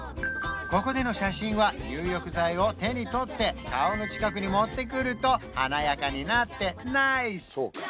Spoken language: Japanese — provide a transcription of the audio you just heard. ここでの写真は入浴剤を手に取って顔の近くに持ってくると華やかになってナイス！